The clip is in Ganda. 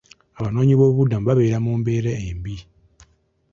Abanoonyiboobubudamu babeera mu mbeera embi.